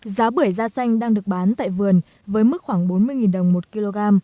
giá bưởi da xanh đang được bán tại vườn với mức khoảng bốn mươi đồng một kg